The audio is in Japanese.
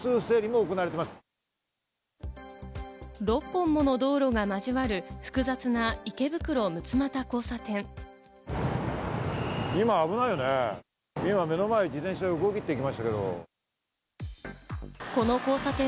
６本もの道路が交わる複雑な池袋六ツ又交差点。